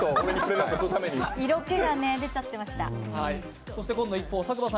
色気が出ちゃってました。